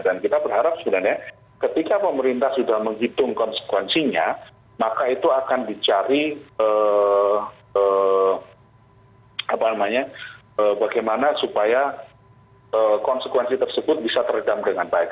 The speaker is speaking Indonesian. dan kita berharap sebenarnya ketika pemerintah sudah menghitung konsekuensinya maka itu akan dicari bagaimana supaya konsekuensi tersebut bisa teredam dengan baik